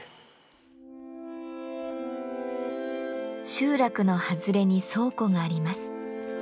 集落の外れに倉庫があります。